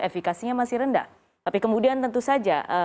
efekasinya masih rendah tapi kemudian tentu saja